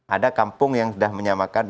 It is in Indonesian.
ada kampung yang sudah menyamakan